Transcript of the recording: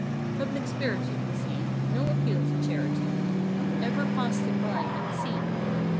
Public spirited was he— No appeal for charity Ever passed him by unseen.